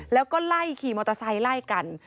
แล้วก็ไล่ขี่มอเตอร์ไซค์ไล่กัน